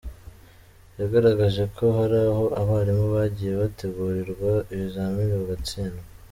Yagaragaje ko hari aho abarimu bagiye bategurirwa ibizamini bagatsindwa.